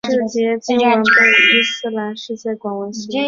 这节经文被伊斯兰世界广为诵读。